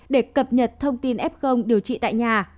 để cập nhật thông tin ép không điều trị tại nhà